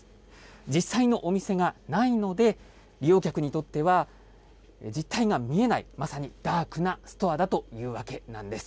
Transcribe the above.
実際のお店がないので、利用客にとっては実体が見えない、まさにダークなストアだというわけなんです。